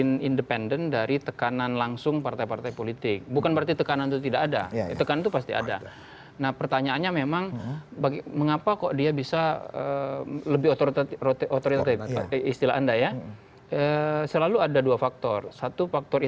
cerita berikut ini tetap lapor sama kami